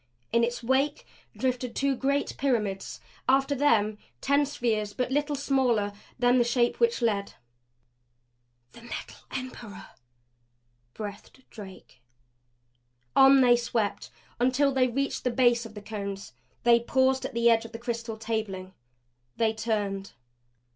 In its wake drifted two great pyramids; after them ten spheres but little smaller than the Shape which led. "The Metal Emperor!" breathed Drake. On they swept until they reached the base of the Cones. They paused at the edge of the crystal tabling. They turned.